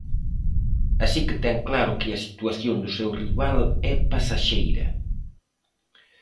Así que ten claro que a situación do seu rival é pasaxeira.